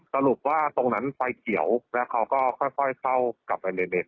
สรุปว่าตรงนั้นไฟเขียวแล้วเขาก็ค่อยเฝ้ากลับไปเด็ด